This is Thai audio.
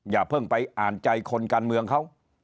อย่าเพิ่งไปอ่านใจคนการเมืองเขา